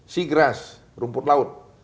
seagrass rumput laut